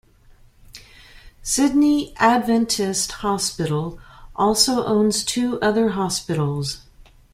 Sydney Adventist Hospital also owns two other hospitals.